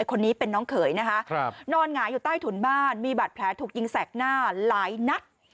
คนนี้เป็นน้องเขยนะคะนอนหงายอยู่ใต้ถุนบ้านมีบาดแผลถูกยิงแสกหน้าหลายนัด